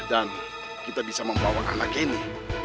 dan kita bisa membawa anak ini